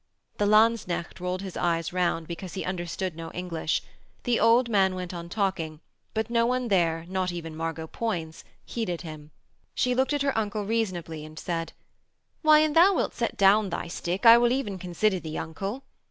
The Lanzknecht rolled his eyes round, because he understood no English. The old man went on talking, but no one there, not even Margot Poins, heeded him. She looked at her uncle reasonably, and said: 'Why, an thou wilt set down thy stick I will even consider thee, uncle.'